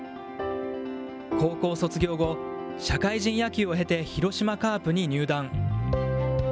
高校卒業後、社会人野球を経て広島カープに入団。